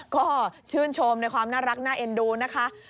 ก็ชื่นชมในความน่ารักน่าเอ็นดูนะคะ